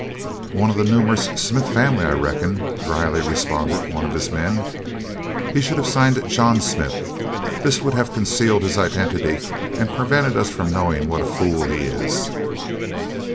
"One of the numerous Smith family, I reckon," dryly responded one of his men. "He should have signed it John Smith. This would have concealed his identity, and prevented us from knowing what a fool he is."